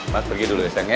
mas pergi dulu ya sayang ya